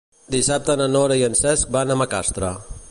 Dissabte na Nora i en Cesc van a Macastre.